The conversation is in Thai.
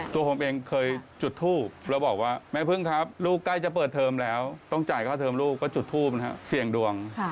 ตัวผมเองเคยจุดทูปแล้วบอกว่าแม่พึ่งครับลูกใกล้จะเปิดเทอมแล้วต้องจ่ายค่าเทิมลูกก็จุดทูปนะครับเสี่ยงดวง